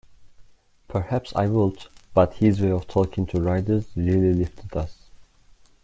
Perhaps I would, but his way of talking to riders really lifted us.